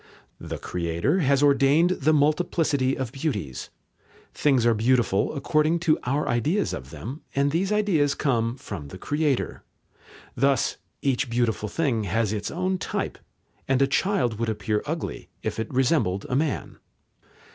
The Creator has ordained the multiplicity of beauties. Things are beautiful according to our ideas of them, and these ideas come from the Creator. Thus each beautiful thing has its own type, and a child would appear ugly if it resembled a man.